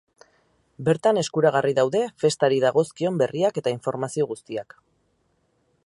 Bertan eskuragarri daude festari dagozkion berriak eta informazio guztiak.